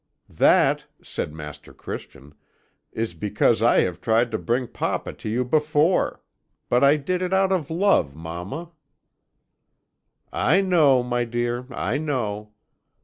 "'That,' said Master Christian,' is because I have tried to bring papa to you before. But I did it out of love, mamma.' "'I know, my dear, I know.